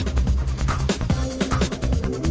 ทางนี้ก็มีทางไม่แปลง